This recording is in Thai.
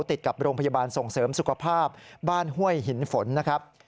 ติดกับโรงพยาบาลส่งเสริมสุขภาพบ้านห้วยหินฝนนะครับ